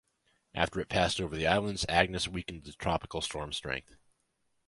After it passed over the islands, Agnes weakened to tropical storm strength.